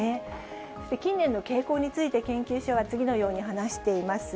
そして近年の傾向について、研究所は次のように話しています。